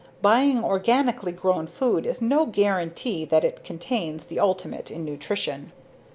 Buying organically grown food is no guarantee that it contains the ultimate in nutrition.